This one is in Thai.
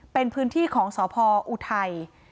เป็นพื้นที่ของสพออุทัย